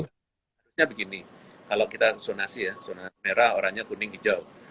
sebenarnya begini kalau kita sonasi ya sonasi merah orangnya kuning hijau